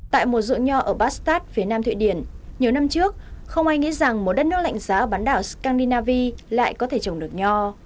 tại một ruộng nho ở bastat phía nam thụy điển nhiều năm trước không ai nghĩ rằng một đất nước lạnh giá ở bán đảo scaninavi lại có thể trồng được nho